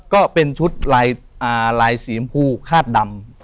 ก็เป็นชุดลายสีชมพูคาดดำ